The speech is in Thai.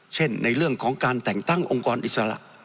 เช่นในเรื่องของการแต่งตั้งองค์กรอิสระ